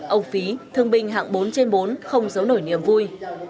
ông phí thương binh hạng bốn trên bốn không giấu nổi niềm vui